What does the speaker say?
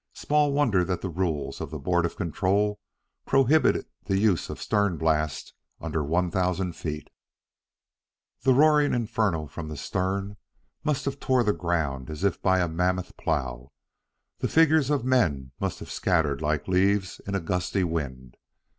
Small wonder that the rules of the Board of Control prohibit the use of the stern blast under one thousand feet. The roaring inferno from the stern must have torn the ground as if by a mammoth plow; the figures of men must have scattered like leaves in a gusty wind.